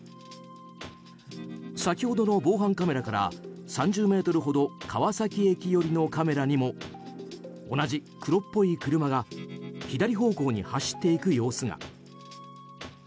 先ほどの防犯カメラから３０ｍほど川崎駅寄りのカメラにも同じ黒っぽい車が左方向に走っていく様子が。